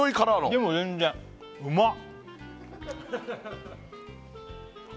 でも全然うまっ！